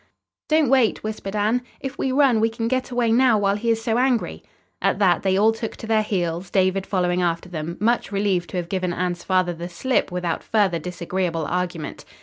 "Don't wait," whispered Anne. "If we run, we can get away, now, while he is so angry." At that they all took to their heels, David following after them, much relieved to have given Anne's father the slip without further disagreeable argument.